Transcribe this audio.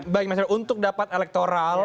baik mas heru untuk dapat elektoral